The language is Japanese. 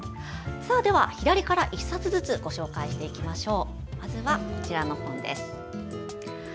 では、左から１冊ずつご紹介していきましょう。